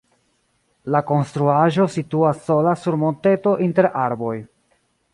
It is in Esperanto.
La konstruaĵo situas sola sur monteto inter arboj.